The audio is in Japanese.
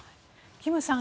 キムさん